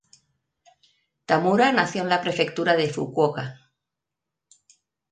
Tamura nació en la Prefectura de Fukuoka.